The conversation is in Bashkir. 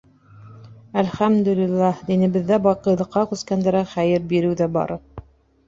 Әл-хәмдү лил-ләһ, динебеҙҙә баҡыйлыҡҡа күскәндәргә хәйер биреү ҙә бар.